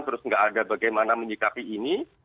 terus nggak ada bagaimana menyikapi ini